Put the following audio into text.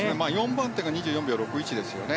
４番手が２４秒６１ですよね。